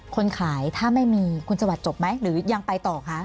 คนขายถ้าไม่มีคุณสวัสดิจบไหมหรือยังไปต่อคะ